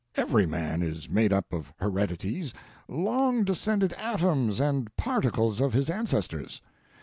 Every man is made up of heredities, long descended atoms and particles of his ancestors.